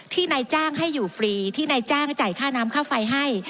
นายจ้างให้อยู่ฟรีที่นายจ้างจ่ายค่าน้ำค่าไฟให้